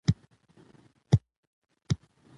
شپون په غره کې خپلې رمې پيايي.